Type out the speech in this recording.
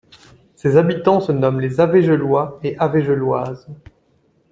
Ses habitants se nomment les Avégellois et Avégelloises.